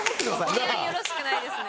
治安よろしくないですね。